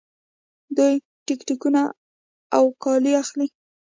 دوی ټکټونه او کالي اخلي.